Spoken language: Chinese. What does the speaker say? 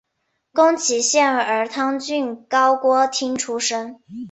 宫崎县儿汤郡高锅町出身。